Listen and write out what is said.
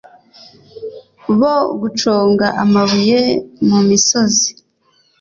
bo guconga amabuye c mu misozi